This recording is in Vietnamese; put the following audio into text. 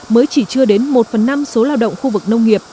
mới chỉ chưa đến một phần năm số lao động khu vực nông nghiệp